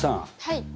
はい。